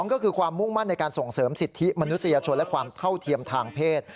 ก็คือความมุ่งมั่นในการส่งเสริมสิทธิมนุษยชนและความเท่าเทียมทางเพศ